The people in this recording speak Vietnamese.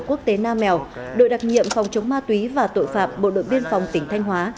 quốc tế nam mèo đội đặc nhiệm phòng chống ma túy và tội phạm bộ đội biên phòng tỉnh thanh hóa